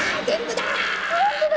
本当だ